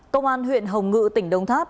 công an huyện hồng ngự tỉnh đông tháp